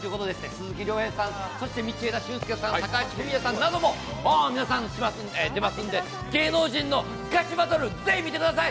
鈴木亮平さん、道枝駿佑さん、高橋文哉さんなど、皆さん出ますので芸能人のガチバトルぜひ見てください。